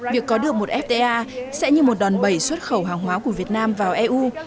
việc có được một fta sẽ như một đòn bẩy xuất khẩu hàng hóa của việt nam vào eu